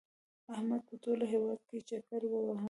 احمد په ټول هېواد کې چکر ووهه.